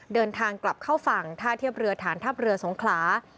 เดินทางกลับเข้าฝั่งท่าเทียบเรือฐานทัพเรือสงขลา